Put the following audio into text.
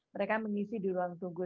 mereka mengisi di ruang tunggu